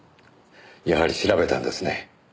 やはり調べたんですね。